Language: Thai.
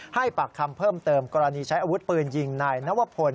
ให้ปากคำเพิ่มเติมกรณีใช้อาวุธปืนยิงนายนวพล